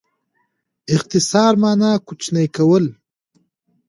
اختصار مانا؛ کوچنی کول.